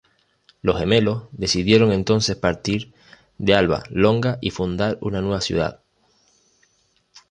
Los gemelos decidieron entonces partir de Alba Longa y fundar una nueva ciudad.